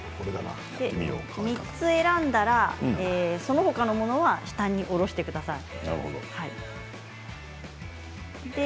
３つ選んだらその他のものは下に下ろしてください。